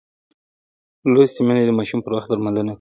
لوستې میندې د ماشوم پر وخت درملنه کوي.